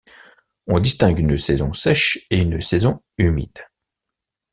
On distingue une saison sèche et une saison humide.